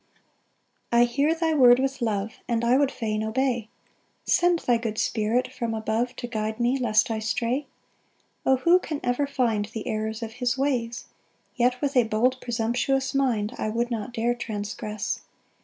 PAUSE. 5 I hear thy word with love, And I would fain obey; Send thy good Spirit from above To guide me, lest I stray. 6 O who can ever find The errors of his ways? Yet, with a bold presumptuous mind, I would not dare transgress.